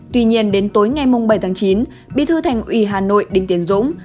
tuy nhiên đến tối ngày bảy tháng chín bí thư thành ủy hà nội đinh tiến dũng